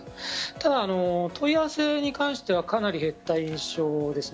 ただ、問い合わせに関してはかなり減った印象です。